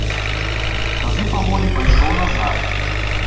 Тады паволі пайшоў назад.